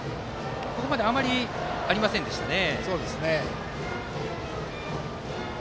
ここまであまり、ありませんでしたね。